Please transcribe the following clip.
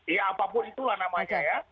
ya apapun itulah namanya ya